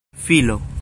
filo